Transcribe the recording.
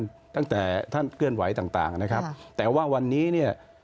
ตั้งแต่ท่านเคลื่อนไหวต่างต่างนะครับแต่ว่าวันนี้เนี่ย